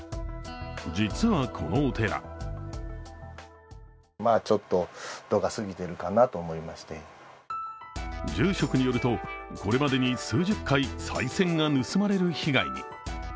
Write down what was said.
実は、このお寺住職によると、これまでに数十回さい銭が盗まれる被害に。